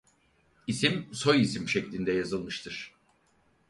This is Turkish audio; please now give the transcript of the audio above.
İsim soyisim şeklinde yazılmıştır.